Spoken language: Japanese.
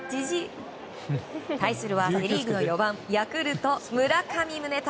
対するはセ・リーグの４番ヤクルト、村上宗隆。